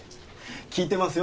聞いてますよ